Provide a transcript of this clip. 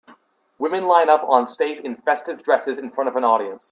Women line up on state in festive dresses in front of an audience.